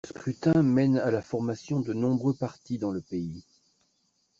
Le scrutin mène à la formation de nombreux partis dans le pays.